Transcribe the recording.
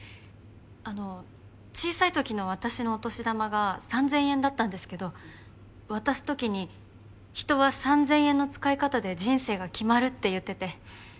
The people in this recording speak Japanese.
あのう小さいときの私のお年玉が三千円だったんですけど渡すときに「人は三千円の使いかたで人生が決まる」って言ってて。